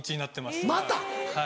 また？